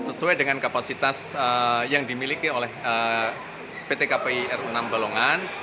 sesuai dengan kapasitas yang dimiliki oleh pt kpi ru enam balongan